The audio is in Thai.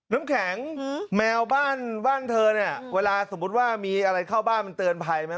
น้ำแข็งแมวบ้านบ้านเธอเนี่ยเวลาสมมุติว่ามีอะไรเข้าบ้านมันเตือนภัยไหม